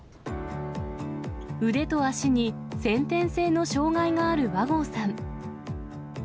腕と足に先天性の障がいがある和合さん。